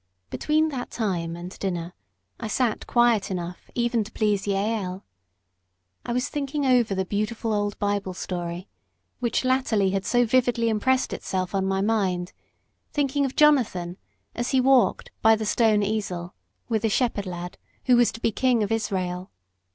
Between that time and dinner I sat quiet enough even to please Jael. I was thinking over the beautiful old Bible story, which latterly had so vividly impressed itself on my mind; thinking of Jonathan, as he walked "by the stone Ezel," with the shepherd lad, who was to be king of Israel.